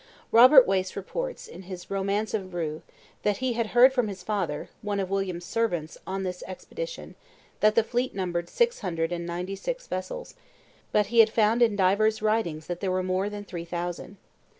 Robert Wace reports, in his Romance of Rou, that he had heard from his father, one of William's servants on this expedition, that the fleet numbered six hundred and ninety six vessels, but he had found in divers writings that there were more than three thousand.